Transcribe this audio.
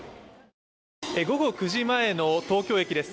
午後９時前の東京駅です。